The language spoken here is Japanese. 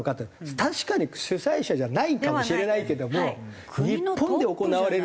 確かに主催者じゃないかもしれないけども日本で行われる。